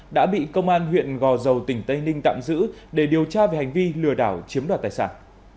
đã bị công an huyện gò dầu tỉnh tây ninh tạm giữ để điều tra về hành vi lừa đảo chiếm đoạt tài sản